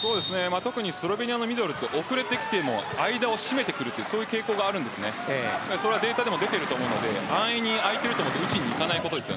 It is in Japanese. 特にスロベニアのミドル遅れてきても相手を締めてくる傾向があるんですがそれはデータでも出ていると思うので安易に打ちにいかないことです。